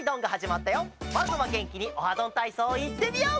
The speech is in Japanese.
まずはげんきに「オハどんたいそう」いってみよう！